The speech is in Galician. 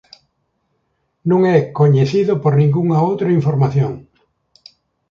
Non é coñecido por ningunha outra información.